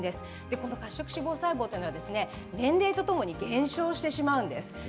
この褐色脂肪細胞というのは年齢とともに減少してしまうんです。